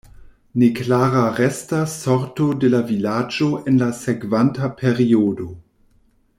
Neklara restas sorto de la vilaĝo en la sekvanta periodo.